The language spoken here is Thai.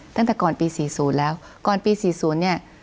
ตั้งแต่ก่อนปี๔๐แล้วก่อนปี๔๐เนี่ย